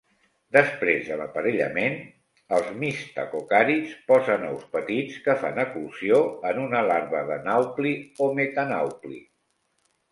Després de l'aparellament, els mistacocàrids posen ous petits, que fan eclosió en una larva de naupli o metanaupli.